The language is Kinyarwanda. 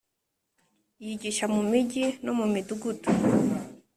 Yigisha mu migi no mu midugudu